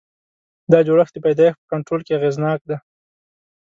دا جوړښت د پیدایښت په کنټرول کې اغېزناک دی.